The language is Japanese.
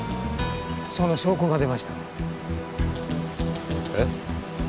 その証拠が出ました。え？